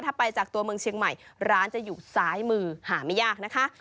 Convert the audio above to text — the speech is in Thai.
ถ้าไปจากตัวเมืองเชียงใหม่ร้านจะอยู่ซ้ายมือหาไม่ยากนะคะ